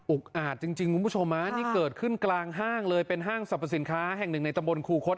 อาจจริงคุณผู้ชมฮะนี่เกิดขึ้นกลางห้างเลยเป็นห้างสรรพสินค้าแห่งหนึ่งในตำบลครูคด